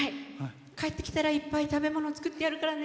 帰ってきたらいっぱい食べ物作ってやるからね。